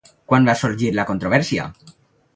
Quan va sorgir la controvèrsia?